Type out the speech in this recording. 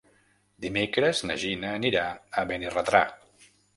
Dimecres na Gina anirà a Benirredrà.